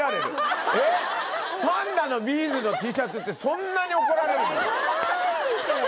パンダのビーズのＴシャツってそんなに怒られるの？